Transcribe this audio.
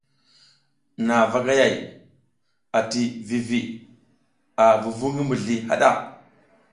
Nha vagayay ati vivi a vuvu ngi mizli haɗa.